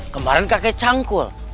kemaren kakek canggul